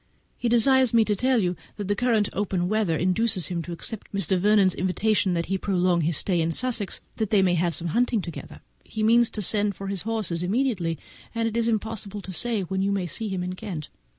He desires me to tell you that the present open weather induces him to accept Mr. Vernon's invitation to prolong his stay in Sussex, that they may have some hunting together. He means to send for his horses immediately, and it is impossible to say when you may see him in Kent.